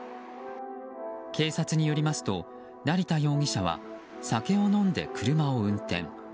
警察によりますと、成田容疑者は酒を飲んで車を運転。